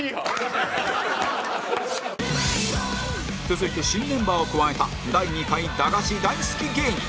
続いて新メンバーを加えた第２回駄菓子大好き芸人